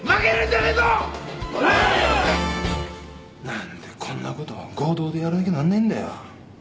なんでこんな事合同でやらなきゃなんねえんだよ。